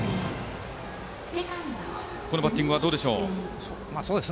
このバッティングはどうでしょう。